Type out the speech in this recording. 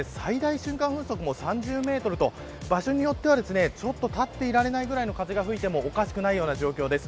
最大瞬間風速も３０メートルと場所によっては立っていられないぐらいの風が吹いてもおかしくないような状況です。